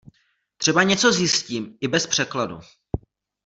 Třeba něco zjistím i bez překladu.